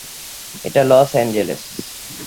এটা Los Angeles.